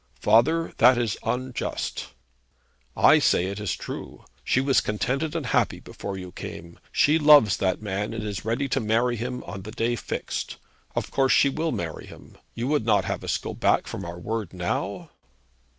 'Father, that is unjust.' 'I say it is true. She was contented and happy before you came. She loves the man, and is ready to marry him on the day fixed. Of course she will marry him. You would not have us go back from our word now?'